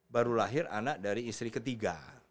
baru lahir anak dari istri ketiga